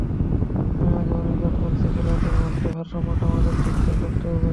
আমি আগেও অনেকবার বলেছি, খেলোয়াড়দের মধ্যে ভারসাম্যটা আমাদের ঠিকঠাক রাখতে হবে।